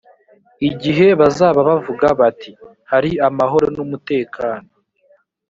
igihe bazaba bavuga bati “hari amahoro n’ umutekano”